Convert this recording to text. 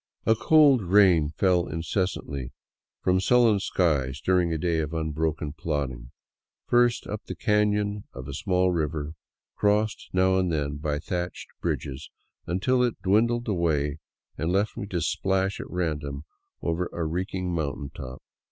A cold rain fell incessantly from sullen skies during a day of unbroken plodding, first up the canon of a small river, crossed now and then by thatched bridges, until it dwindled away and left me to splash at random over a reeking mountain top.